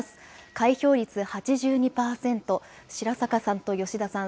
開票率８２％、白坂さんと吉田さん